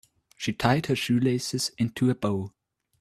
She tied her shoelaces into a bow.